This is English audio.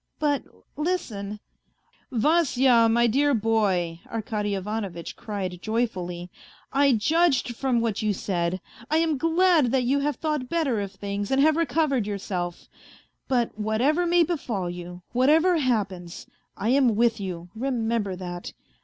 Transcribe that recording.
... But listen ..."" Vasya, my dear boy," Arkady Ivanovitch cried joyfully, " I judged from what you said. I am glad that you have thought 186 A FAINT HEART better of things and have recovered yourself. But whatever may befall you, whatever happens, I am with you, remember that.